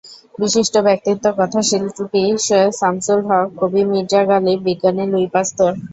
বিশিষ্ট ব্যক্তিত্ব—কথাশিল্পী সৈয়দ শামসুল হক, কবি মির্জা গালিব, বিজ্ঞানী লুই পাস্তুর।